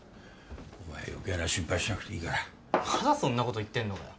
お前は余計な心配しなくていいからまだそんなこと言ってんのかよ？